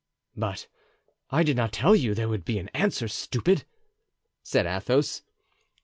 "But I did not tell you there would be an answer, stupid!" said Athos.